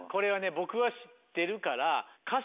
僕は知ってるから。